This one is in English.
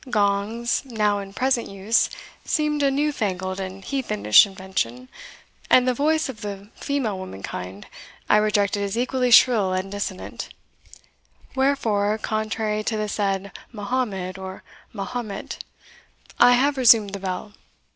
Gongs, now in present use, seemed a newfangled and heathenish invention, and the voice of the female womankind I rejected as equally shrill and dissonant; wherefore, contrary to the said Mahommed, or Mahomet, I have resumed the bell.